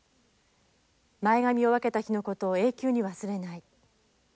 前髪を分けた日のことを永久に忘れない。